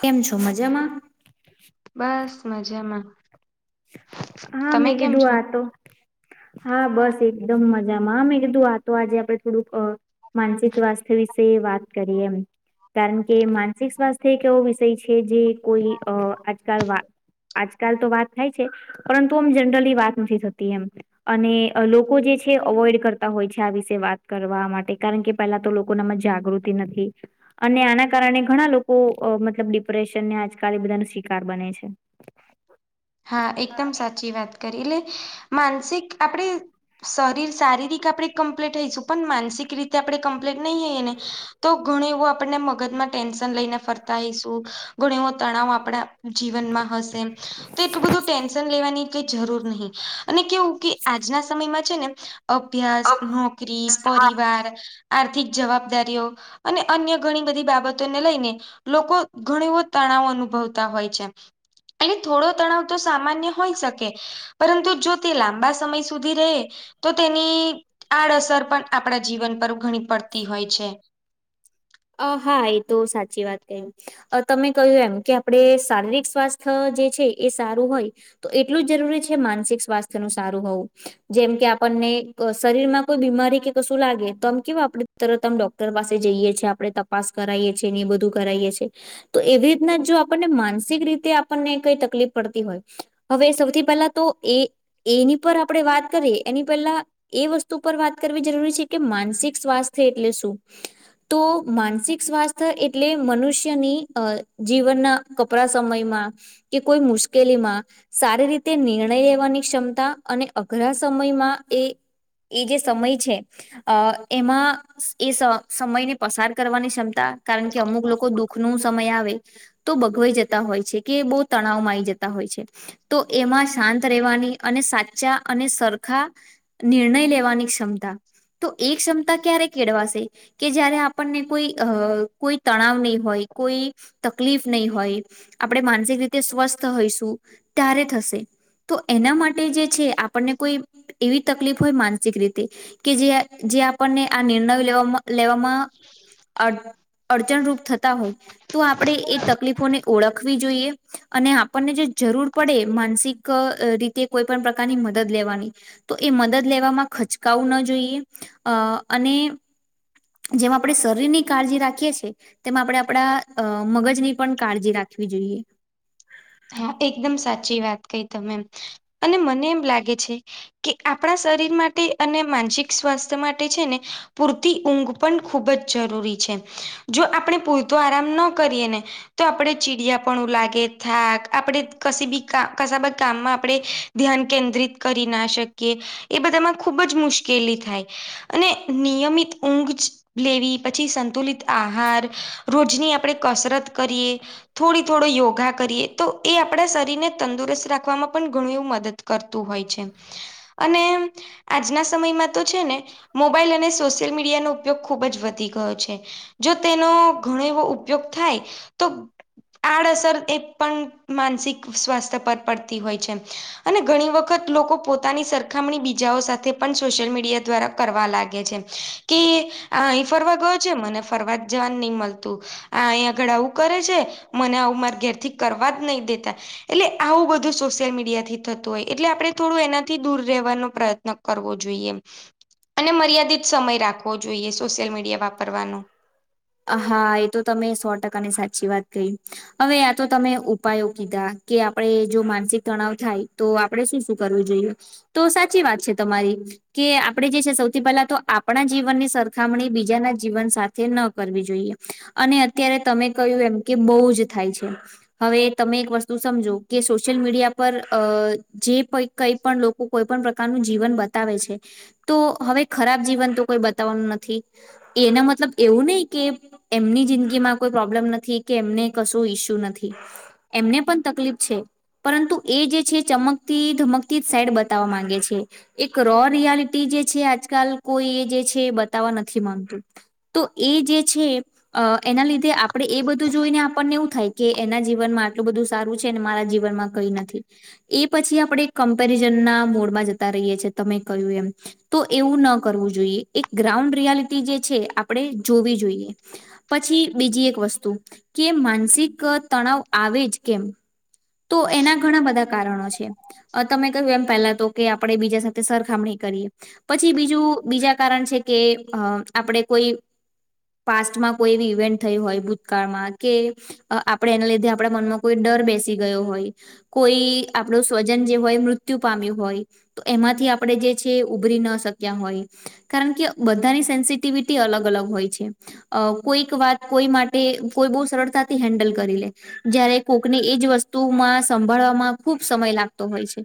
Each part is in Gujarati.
કેમ છો મજામાં? બસ મજામાં. હા તમે મેં કેમ કીધું છો આતો હા બસ એકદમ મજામાં મેં કીધું આ તો આજે આપડે થોડુંક અહ માનસિક સ્વાસ્થ્ય વિશે વાત કરીએ એમ. કારણ કે માનસિક સ્વાસ્થ્ય એક એવો વિષય છે જે કોઈ અહ આજકાલ વા આજકાલ તો વાત થાય છે પરંતુ આમ જનરલી વાત નથી થતી એમ. અને અહ લોકો જે છે અવોઈડ કરતા હોય છે આ વિશે વાત કરવા માટે કારણ કે પેલા તો લોકોનેમાં જાગૃતિ નથી. અને આના કારણે ઘણા લોકો અહ મતલબ ડિપ્રેશનને આજકાલ એ બધા ના શિકાર બને છે. હા એકદમ સાચી વાત કરી એટલે માનસિક આપડે શરીર શારીરિક આપડે કમ્પ્લીટ થઈશું પણ માનસિક રીતે આપડે કોમ્પલિટ નહીં હે એને તો ઘણી વાર આપડે એવું મગજ માં ટેન્શન લઈ ને ફર થઈશું ઘણ એવો તણાવ આપડા જીવનમાં હશે તો એટલું બધું ટેન્શન લેવા ની કે જરૂર નહી અને કેવું કે આજના સમયમાં છે ને અભ્યાસ નોકરી હા પરિવાર આર્થિક જવાબદારીઓ અને અન્ય ઘણી બધી બાબતોને લઈને લોકો ઘણી બો તણાવ અનુભવતા હોય છે. એને થોડો તણાવ તો સામાન્ય હોય શકે પરંતુ જો તે લાંબા સમય સુધી રહે તો તેની આડ અસર પણ આપડા જીવન પર ઘણી પડતી હોય છે. અહ હા એ તો સાચી વાત કઈ. અહ તમે કહ્યું એમ કે આપડું શારીરિક સ્વાસ્થ્ય જે છે એ સારું હોય તો એટલું જ જરૂરી છે માનસિક સ્વાસ્થ્યનું સારું હોવું. જેમ કે આપણને શરીર માં કોઈ બીમારી કે કશું લાગે તો આમ કેવું આપડે તરત આમ ડોક્ટર પાસે જઈએ છીએ આપડે તપાસ કરાવએ છીએ ને એ બધું કરાવએ છીએ. તો એવી રીતના આપણને માનસિક આપણને કઈ તકલીફ પડતી હોય હવે સૌથી પહેલા તો એ એની પર આપડે વાત કરીએ એની પહેલા એ વસ્તુ પર વાત કરવી જરૂરી છે કે માનસિક સ્વાસ્થ્ય એટલે શું તો માનસિક સ્વાસ્થ એટલે મનુષ્યની અહ જીવન ના કપરા સમયમાં કે કોઈ મુશ્કેલી માં સારી રીતે નિર્ણય લેવાની ક્ષમતા અને અઘરા સમયમાં એ એ જે સમય છે. અહ એમાં એ સ સમય ને પસાર કરવાની ક્ષમતા કારણ કે અમુક લોકો દુઃખ નું સમય આવે તો બગવાઈ જતા હોય છે. કે બહુ તણાવ માં આવી જતા હોય છે. તો એમાં શાંત રહેેવાની અને સાચા અને સરખા નિર્ણય લેવાની ક્ષમતા તો એ ક્ષમતા ક્યારે કેળવાશે કે જ્યારે આપ પણને કોઈ અહ કોઈ તણાવ નહી હોય. કોઈ તકલીફ નહી હોય. આપડે માનસિક રીતે સ્વસ્થ હોઈશું ત્યારે થશે તો એના માટે જે છે આપણને કોઈ એવી તકલીફ હોય માનસિક રીતે કે જે જે આપણને આ નિર્ણયો લેવામાં લેવામાં અડ અડચણરૂપ થતા હોય. તો આપડે એ તકલીફોને ઓળખવી જોઈએ. અને આપણને જે જરૂર પડે માનસિક અહ રીતે કોઈ પણ પ્રકારની મદદ લેવાની. તો એ મદદ લેવામાં ખચકાવું ન જોઈએ. અ અને જેમ‌ આપડે શરીરની કાળજી રાખીએ છીએ. તેમાં આપણે આપણા મગજની પણ કાળજી રાખવી જોઈએ. હા એકદમ સાચી વાત કઈ તમે એમ અને મને એમ લાગે છે કે આપણા શરીર માટે અને માનસિક સ્વાસ્થ્ય માટે છે ને પૂરતી ઊંઘ પણ ખૂબ જ જરૂરી છે. જો આપણે પૂરતો આરામ ન કરીએ ને તો આપડે ચીડિયા પણું લાગે થાક આપણે કશું બી કામમાં આપણે ધ્યાન કેન્દ્રિત કરી ના શકીએ. એ બધામાં ખૂબ જ મુશ્કેલી થાય. અને નિયમિત ઊંઘ જ લેવી પછી સંતુલિત આહાર રોજની આપણેે કસરત કરીએ. થોડી થોડો યોગા કરીએ તો એ આપણા શરીર ને તંદુરસ્ત રાખવામાં પણ ઘણું મદદ કરતું હોય છે. અને આજના સમયમાં તો છે. ને મોબાઈલ અને સોશિયલ મીડિયાનોો ઉપયોગ ખુબ જ વધી ગયો છે. જો તેનો ઘણો એવો ઉપયોગ થાય તો આડઅસર એ પણ માનસિક સ્વાસ્થ્ય પર પડતી હોય છે. અને ઘણી વખત લોકો પોતાની સરખામણી બીજાઓ સાથે પણ સોશિયલ મીડિયા દ્વારા કરવા લાગે છે. કે આ અહી ફરવા ગયો છે. મને ફરવા જ જવાનું નહી મલતું. આ અહીંયા આગળ આવું કરે છે. મને આવું મારે ઘેર થી કરવા જ નહી દેતા. એટલે આવું બધું સોશિયલ મીડિયા થી થતું હોય એટલે આપણે થોડું એનાથી દૂર રહેવાનો પ્રયત્ન કરવો જોઈએ અને મર્યાદિત સમય રાખવો જોઈએ સોશિયલ મીડિયા વાપરવાનો. હા એ તો તમે સો ટકાની સાચી વાત કહી હવે આ તો તમે ઉપાયો કીધા કે આપણે જો માનસિક તણાવ થાય તો આ આપણે શું શું કરવું જોઈએ તો સાચી વાત છે તમારી કે આપડણે જે છે સૌથી પહેલા તો આપણા જીવનની સરખામણી બીજાના જીવન સાથે ન કરવી જોઈએ અને અત્યારે તમે કય્યું એમ કે બહુ જ થાય છે હવે તમે એક વસ્તુ સમજો કે સોશિયલ મીડિયા પર અ જે પ કઈ પણ લોકો કોઈ પણ પ્રકારનું જીવન બતાવે છે તો હવે ખરાબ જીવન તો કોઈ બતાવવાનું નથી એનો મતલબ એવું નહિ કે એમની જિંદગી માં કોઈ પ્રોબ્લેમ નથી કે એમને કશું ઈસ્યુ નથી એમને પણ તકલીફ છે પરંતુ એ જે છે ચમકતી ધમકતી જ સાઈડ બતાવવા માંગે છે એક રો રિયાલિટી જે છે આજકાલ કોઈ એ જે છે બતાવવા નથી માંગતું તો એ જે છે એના અ એના લીધે આપ આપડેએ બધું જોઈને આપણને એવું થાય કે એના જીવનમાં આટલું બધું સારું છે અનેને મારા જીવનમાં કઈ નથી એ પછી આપણે કમ્પેરિઝન ના મોડમાં જતા રહીએ છીએ તમે કયું એમ તો એવું ન કરવું જોઈએ એક ગ્રાઉન્ડ રિયાલિટી જે છે આપણે જોવી જોઈએ પછી બીજી એક વસ્તુ કે માનસિક તણાવ આવે જ કેમ તો એના ઘણા બધા કારણો છે અ તમે કહ્યું એમ પહેલા તો કે આપણેે બીજા સાથે સરખામણી કરીએ પછી બીજું બીજા કારણ છે કે અ આપણે કોઈ પાસ્ટમાં કોઈ ઇવેન્ટ થયું હોય ભૂતકાળમાં કે આપણે એના લીધે આપણા મનમાં કોઈ ડર બેસી ગયો હોય કોઈ આપણું સ્વજન જે હોય મૃત્યુ પામ્યું હોય તો એમાંથી આપણે જે છે ઉભરી ન શક્યા હોય. કારણ કે બધાની સેન્સિટિવિટી અલગ અલગ હોય છે. અ કોઈક વાત કોઈ માટે કોઈ બહુ સરળતાથી હેન્ડલ કરી લે જયારે કોકને એજ વસ્તુમાં સંભળવામાં ખુબ સમય લાગતો હોય છે.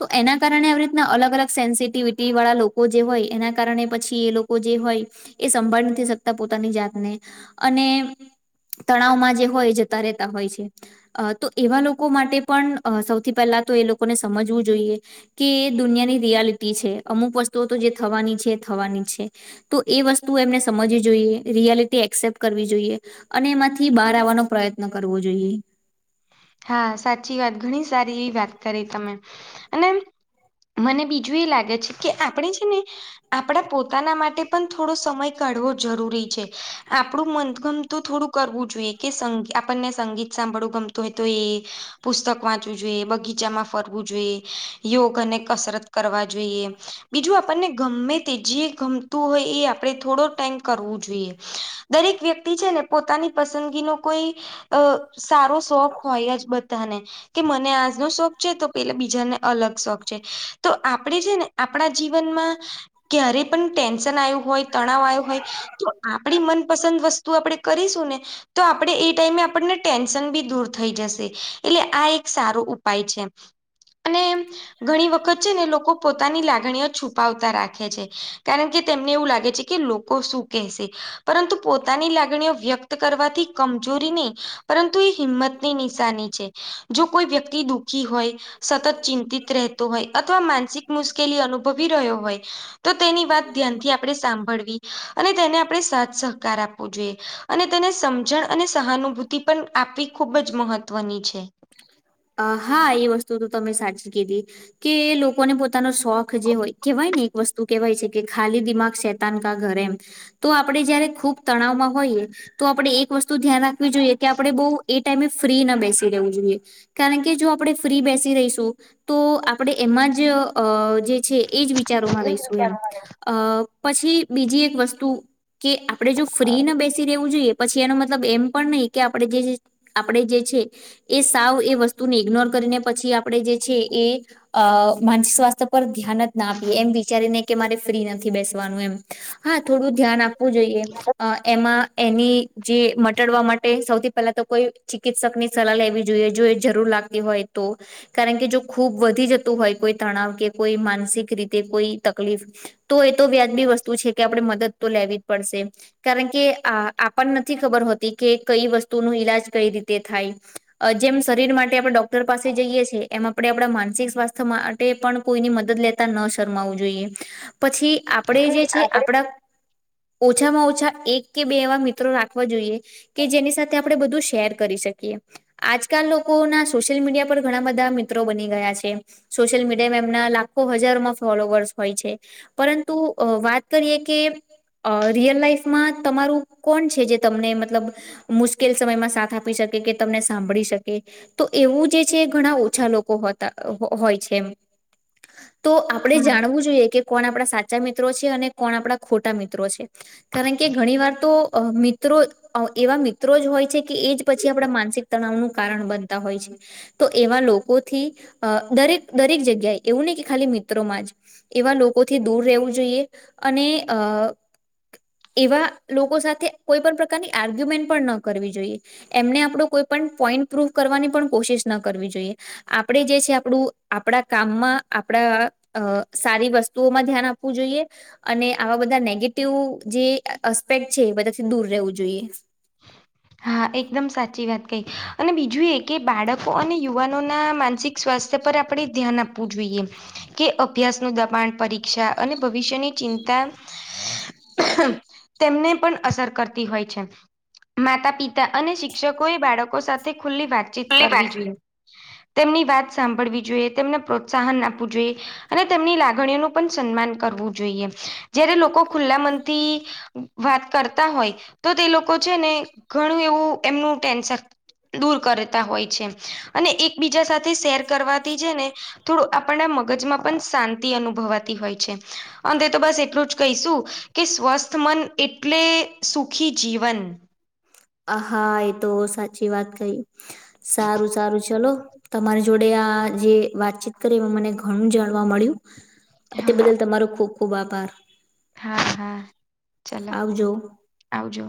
તો એના કારણે આવી રીતના અલગ અલગ સેન્સિટિવિટી વાળા લોકો જે હોય એના કારણે પછી એ લોકો જે હોય એ સંભાળ નથી શકતા પોતાની જાતને અને તણાવમાં જે હોય જતા રહેતા હોય છે અ તો એવા લોકો માટે પણ સૌથી પહેલા તો એ લોકોને સમજવું જોઈએ કે દુનિયાની રિયાલિટી છે અમુક વસ્તુઓ તો જે થવાની છે થવાની જ છે તો એ વસ્તુ એમને સમજવી જોઈએ રિયાલિટી એકસેપ્ટ કરવી જોઈએ અને એમાંથી બહાર આવવાનો પ્રયત્ન કરવો જોઈએ. હા સાચી વાત ઘણી સારી એવી વાત કરી તમે અને મને બીજું એ લાગે છે કે આપણે છે ને આપણા પોતાના માટે પણ થોડો સમય કાઢવો જરૂરી છે આપણું મનગમ તું થોડું કરવું જોઈએ કે આપણને સંગીત સાંભળવું ગમતું હોય તો એ પુસ્તક વાંચવું જોઈએ બગીચામાં ફરવું જોઈએ યોગ અને કસરત કરવા જોઈએ બીજું આપણને ગમે તે જે ગમતું હોય એ આપણે થોડો ટાઈમ કરવું જોઈએ. દરેક વ્યક્તિ છે ને પોતાની પસંદગીનો કોઈ અ સારો શોખ હોય જ બધાને કે મને આનો શોખ છે તો પેલા બીજાને અલગ શોખ છે તો આપડે છે ને આપણા જીવનમાં ક્યારે પણ ટેન્શન આયું હોય તણાવ આયો હોય તો આપણી મનપસંદ વસ્તુ આપણે કરીશું ને તો આપણે એ ટાઈમે આપણને ટેન્શન બી દૂર થઈ જશે એટલે આ એક સારો ઉપાય છે અને ઘણી વખત છે ને લોકો પોતાની લાગણીઓ છુપાવતા રાખે છે કારણ કે તેમને એવું લાગે છે કે લોકો શું કેસે પરંતુ પોતાની લા ગણીઓ વ્યક્ત કરવાથી કમજોરી ની પરંતુ એક હિંમત ની નિશાની છે જો કોઈ વ્યક્તિ દુઃ ખી હોય સતત ચિંતિત રહેતો હોય અથવા માનસિક મુશ્કેલી અનુભવી રહ્યો હોય તો તેની વાત ધ્યાનથી આપણે સાંભળવી અને તેને આપણે સાથ સહકાર આપવો જોઈએ અને તેને સમજણ અને સહાનુભૂતિ પણ આપવી ખૂબ જ મહત્વની છે. અ હા એ વસ્તુ તો તમે સાચી કીધી કે લોકોને પોતાનો શોખ જે હોય કેહેવાય ને એક વસ્તુ કેહેવાય છે કે ખાલી દિમાગ શેતાન કા ઘરે એમ તો આપડે જયારે ખૂબ તણાવમાં હોઈએ તો આપણે એક વસ્તુ ધ્યાન રાખવી જોઈએ કે આપણે બો એ ટાઈમે ફ્રી ના બેસી રહેવું જોઈએ. કારણ કે જો આપણે ફ્રી બેસી રહીશું તો આપણે એમાં જ અ જે છે એ જ વિચારોમાં એક રહીશું વિચાર એમ અ પછી બીજી એક વસ્તુ કે આપડે જો ફ્રી ન બેસી રેવું જોઈએ પછી એનો મતલબ એમ પણ નહી કે આપણે જે આપણેે જે છે એ સાવ એ વસ્તુ ને ઈગ્નોર કર ને પછી આપણે જે છે એ અ માનસિક સ્વાસ્થ્ય પર ધ્યાન જ ના આપીએ એમ વિચારીને કે મારે ફ્રી નથી બેસવાનું એમ હા થોડું ધ્યાન આપવું જોઈએ અ એમાં એની જે મટાડવા માટે સૌથી પહેલા તો કોઈ ચિકિત્સકની સલાહ લેવી જોઈએ જો એ જરૂર લાગતી હોય તો કારણ કે જો ખૂબ વધી જતું હોય કોઈ તણાવ કે કોઈ માનસિક રીતે કોઈ તકલીફ, તો એ તો વ્યાજબી વસ્તુ છે કે આપણે મદદ તો લેવી જ પડશે. કારણ કે અ આ પણ નથી ખબર હોતી કે કઈ વસ્તુ નુ ઈલાજ કઈ રીતે થાય. જેમ શરીર માટે આપણે ડોક્ટર પાસે જઈએ છીએ એમાં, આપણે આપણા માનસિક સ્વાસ્થ્ય માટે પણ કોઈની મદદ લેતા ન શરમાવવું જોઈએ પછી, આપણે જે છે આપડા ઓછામાં ઓછા એક કે બે એવા મિત્રો રાખવા જોઈએ, કે જેની સાથે આપણે બધું શેર કરી શકીએ. આજકાલ લોકો ના સોશિયલ મીડિયા પર ઘણા બધા મિત્રો બની ગયા છે. સોશિયલ મીડિયામાં એમના લાખો હજારમાં ફોલોવર્સ હોય છે. પરંતુ અ વાત કરીએ કે, અ રિયલ લાાઈફમાં તમારું કોણ છે જે તમને મતલબ મુશ્કેલ સમયમાં સાથ આપી શકે કે તમને સાંભળી શક તો એવું જે છે ઘણા ઓછા લોકો હોતા હોય છે એમ. તો આપણે હા જાણવું જોઈએ કે, કોણ આપણા સાચા મિત્રો છે અને કોણ આપણા ખોટા મિત્રો છે. કારણ કે ઘણી વાર તો અ મિત્રો, એવા મિત્રો જ હોય છે કે એજ પછી આપણા માનસિક તણાવનું કારણ બનતા હોય છે. તો એવા લોકોથી અ દરેક દરેક જગ્યાએ એવું નહી કે ખાલી મિત્રોમાં જ, એવા લોકોથી દૂર રહેવું જોઈએ અને અ એવા લોકો સાથે કોઈ પણ પ્રકારની આર્ગ્યુમેન્ટ પણ ન કરવી જોઈએ. એમને આપણો કોઈ પણ પોઈન્ટ પ્રૂવ કરવાની પણ કોશિશ ના કરવી જોઈએ. આપણેે જે છે આપણું આપણા કામમાં આપણા અ સારી વસ્તુઓમાં ધ્યાન આપવું જોઈએ. અને આવા બધા નેગેટિવ જે અસ્પેક્ટ છે એ બધાથી દૂર રહેવું જોઈએ. [inaudible] હા એકદમ સાચી વાત કહી અને બીજું એ કે બાળકો અને યુવાનોના માનસિક સ્વાસ્થ્ય પર આપણે ધ્યાન આપવું જોઈએ. કે અભ્યાસ નુ દબાણ પરીક્ષા અને ભવિષ્યની ચિંતા તેમને પણ અસર કરતી હોય છે. માતા પિતા અને શિક્ષકોએ બાળકો સાથે ખુલ્લી વાતચીત કરવી જોઈએ. તેમની વાત સાંભળવી જોઈએ તેમને પ્રોત્સાહન આપવું જોઈએ. અને તેમની લાગણીઓનું પણ સન્માન કરવું જોઈએ જયારે લોકો ખુલ્લા મનથી, વાત કરતા હોય તો તે લોકો છે ને ઘણું એવું એમનું ટેન્શન દૂર કરતા હોય છે અને એકબીજા સાથે શેર કરવાથી જે ને, થોડું આપણને મગજમાં પણ શાંતિ અનુભવાતી હોય છે અંતે તો બસ એટલું જ કહીશું. કે સ્વસ્થ મન એટલે સુખી જીવન, આ હા એ તો સાચી વાત કહી સારું સારું ચલો. તમારી જોડે આ જે વાતચીત કરી એમાં મને ઘણું જાણવા મળ્યું. તે હા બદલ તમારો ખુબ ખુબ આભાર. હા હા ચાલો આવજો. આવજો.